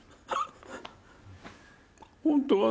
本当はね